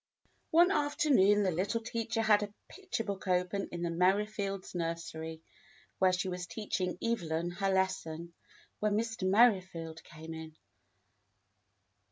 THE STORY 101 One afternoon the little teacher had a picture book open in the Merrifields' nursery, where she was teaching Evelyn her lesson, when Mr. Merrifield came in.